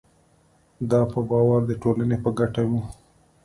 دا په باور د ټولنې په ګټه وو.